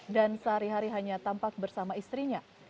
dan sehari hari hanya tampak bersama istrinya